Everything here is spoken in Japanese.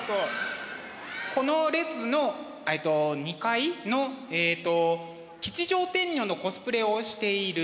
この列の２階のえっと吉祥天女のコスプレをしているはい。